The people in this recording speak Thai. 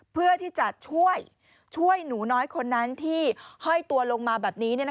เพื่อที่จะช่วยหนูน้อยคนนั้นที่ห้อยตัวลงมาแบบนี้